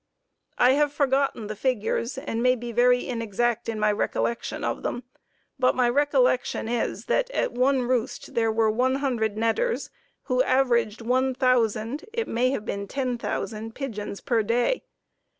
I have forgotten the figures, and may be very inexact in my recollection of them, but my recollection is that at one "roost" there were one hundred netters who averaged one thousand (it may have been ten thousand) pigeons per day.